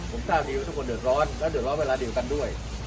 ผมทราบดีว่าทุกคนเดือดร้อนและเดือดร้อนเวลาเดียวกันด้วย